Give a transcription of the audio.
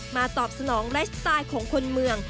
ตอบสนองไลฟ์สไตล์ของคนเมือง